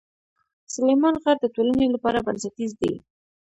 سلیمان غر د ټولنې لپاره بنسټیز دی.